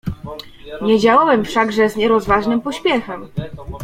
"Nie działałem wszakże z nierozważnym pośpiechem."